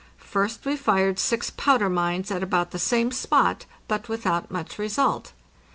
First we fired six powder mines at about the same spot, but without much result.